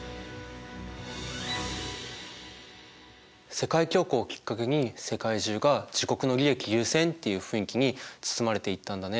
世界恐慌をきっかけに世界中が自国の利益優先っていう雰囲気に包まれていったんだね。